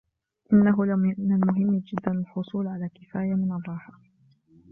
انه لمن المهم جداً الحصول على كفاية من الراحة.